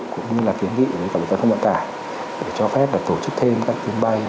cũng như là kiến nghị với cả bộ các thông bộ tải để cho phép tổ chức thêm các chuyến bay